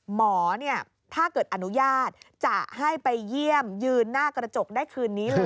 หมอถ้าเกิดอนุญาตจะให้ไปเยี่ยมยืนหน้ากระจกได้คืนนี้เลย